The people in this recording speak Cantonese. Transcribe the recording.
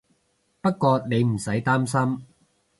不過你唔使擔心